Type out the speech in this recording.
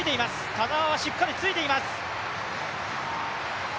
田澤はしっかりついています。